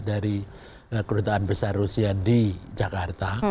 dari kedutaan besar rusia di jakarta